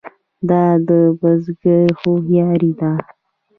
دا د بزګر هوښیاري ده.